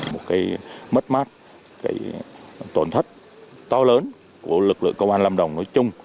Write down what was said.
một cái mất mát cái tổn thất to lớn của lực lượng công an lâm đồng nói chung